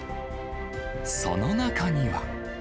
その中には。